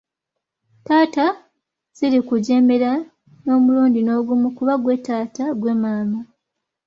Taata sirikujeemera n’omulundi n’ogumu kuba ggwe taata, ggwe maama.